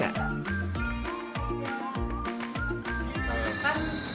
kue yang terlihat terlihat terlihat terlihat terlihat